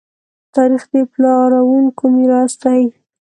تاریخ د پلارونکو میراث دی.